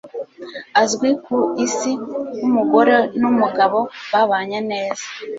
azwi ku Isi nk'umugore n'umugabo babanye neza.